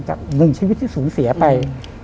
กับหนึ่งชีวิตที่สูญเสียไป